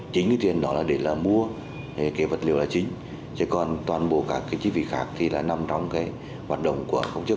chính tiền đó là để mua vật liệu chính còn toàn bộ các chi phí khác là nằm trong hoạt động của công chức